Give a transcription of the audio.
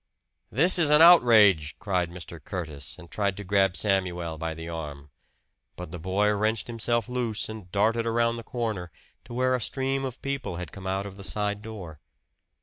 "This is an outrage!" cried Mr. Curtis, and tried to grab Samuel by the arm; but the boy wrenched himself loose and darted around the corner, to where a stream of people had come out of the side door.